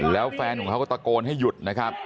แล้วแฟนของเขาก็ตะโกนให้หยุดนะครับ